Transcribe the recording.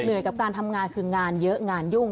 กับการทำงานคืองานเยอะงานยุ่ง